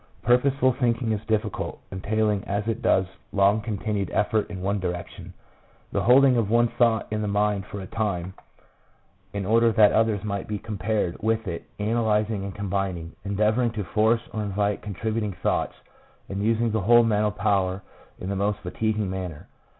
Purposeful thinking is difficult, entailing as it does long continued effort in one direction, the holding of one thought in the mind for a time in order that 100 PSYCHOLOGY OF ALCOHOLISM. others might be compared with it, analyzing and combining, endeavouring to force or invite contribut ing thoughts, and using the whole mental power in the most fatiguing manner.